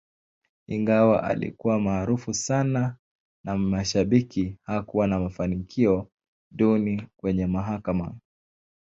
Ingawa alikuwa maarufu sana na mashabiki, hakuwa na mafanikio duni kwenye mahakama.